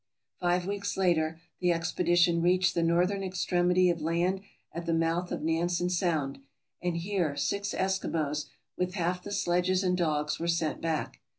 Five weeks later the expedition reached the northern extremity of land at the mouth of Nansen Sound, and here six Eskimos, with half the sledges and dogs, were sent back.